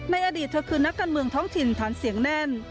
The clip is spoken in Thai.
อดีตเธอคือนักการเมืองท้องถิ่นฐานเสียงแน่น